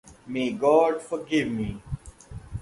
May God forgive me!